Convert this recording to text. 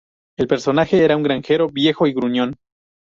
El personaje era un granjero viejo y gruñón.